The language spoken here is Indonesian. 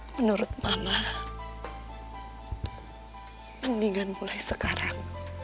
menurut mama mendingan mulai sekarang